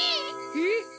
えっ？